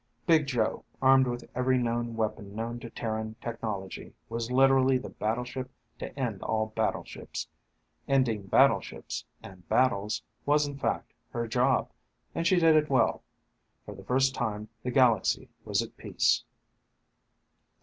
Big Joe, armed with every weapon known to Terran technology, was literally the battleship to end all battleships. Ending battleships and battles was, in fact, her job. And she did it well. For the first time, the galaxy was at peace.